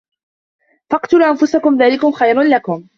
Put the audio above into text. فَاقْتُلُوا أَنْفُسَكُمْ ذَٰلِكُمْ خَيْرٌ لَكُمْ